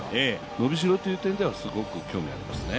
伸びしろという点ではすごく興味がありますね。